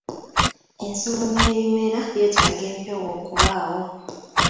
Ensolo n'ebimera byetaaga empewo okubaawo